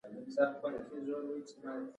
ایا زه باید ماشوم ته ویټامینونه ورکړم؟